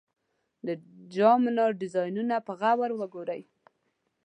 د جام منار ډیزاینونه په غور وګورئ.